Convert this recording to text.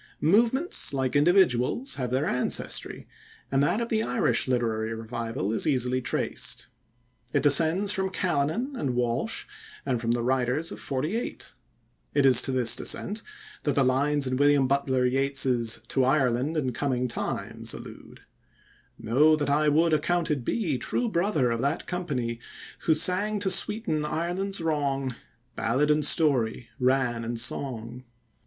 Movements, like individuals, have their ancestry, and that of the Irish Literary Revival is easily traced. It descends from Callanan and Walsh, and from the writers of '48. It is to this descent that the lines in William Butler Yeats's "To Ireland in Coming Times" allude: Know that I would accounted be True brother of that company, Who sang to sweeten Ireland's wrong, Ballad and story, rann and song.